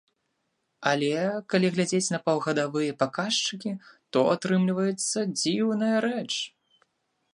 Але, калі глядзець на паўгадавыя паказчыкі, то атрымліваецца дзіўная рэч.